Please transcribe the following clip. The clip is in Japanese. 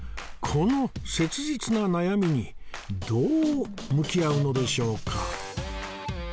この切実な悩みにどう向き合うのでしょうか？